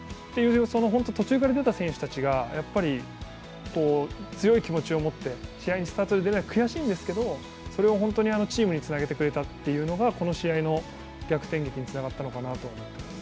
本当に途中から出た選手が強い気持ちを持って試合にスタートで出られないのは悔しいんですけど、それをチームにつなげてくれたというのがこの試合の逆転劇につながったのかなと思います。